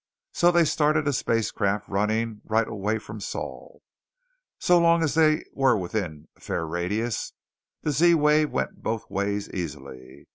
So they started a spacecraft running right away from Sol. So long as they were within a fair radius, the Z wave went both ways easily.